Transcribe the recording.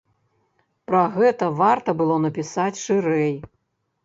Пра гэта варта было напісаць шырэй.